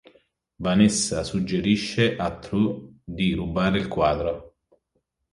Vanessa suggerisce a Trout di rubare il quadro.